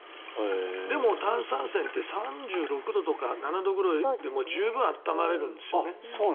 でも炭酸泉って３６度とか３７度ぐらいでも十分温まれるんですよね。